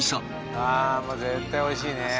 あぁもう絶対美味しいね。